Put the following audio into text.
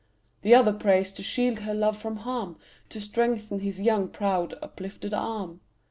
The other prays to shield her love from harm, To strengthen his young, proud uplifted arm.